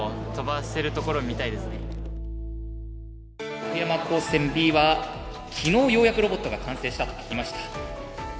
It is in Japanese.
徳山高専Ｂは昨日ようやくロボットが完成したと聞きました。